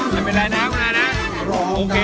ไม่เป็นไรนะโอเคแล้ว